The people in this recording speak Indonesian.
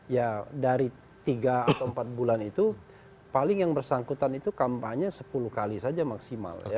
ya dari tiga atau empat bulan itu paling yang bersangkutan itu kampanye sepuluh kali saja maksimal ya